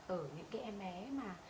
ở những cái em bé mà